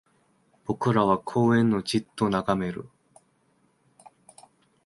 僕らは公園をじっと眺める